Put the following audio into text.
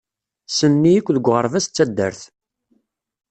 Ssnen-iyi akk deg uɣerbaz d taddart.